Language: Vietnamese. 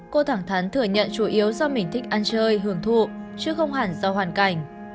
cô thẳng thắn thừa nhận chủ yếu do mình thích ăn chơi hưởng thụ chứ không hẳn do hoàn cảnh